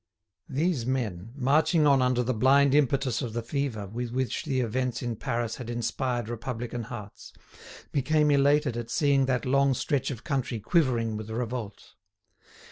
These men, marching on under the blind impetus of the fever with which the events in Paris had inspired Republican hearts, became elated at seeing that long stretch of country quivering with revolt.